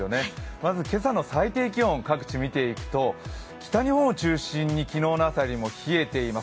まず今朝の最低気温、各地見ていくと、北日本を中心に昨日の朝よりも冷えています。